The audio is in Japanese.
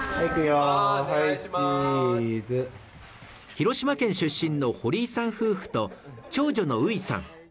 広島県出身の堀井さん夫婦と長女のういさん